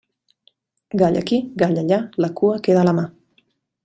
Gall aquí, gall allà, la cua queda a la mà.